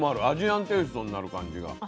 アジアンテーストになる感じが。